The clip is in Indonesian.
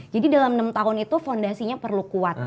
jadi dalam enam tahun itu fondasinya perlu kuat